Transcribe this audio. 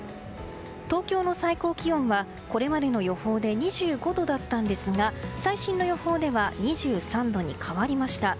東京の最高気温はこれまでの予報で２５度だったんですが最新の予報では２３度に変わりました。